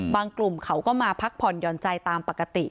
กลุ่มเขาก็มาพักผ่อนหย่อนใจตามปกติ